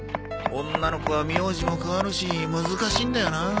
女の子は名字も変わるし難しいんだよなあ。